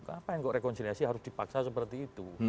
kenapa rekonciliasi harus dipaksa seperti itu